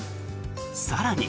更に。